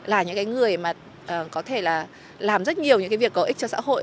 là những người có thể làm rất nhiều những việc có ích cho xã hội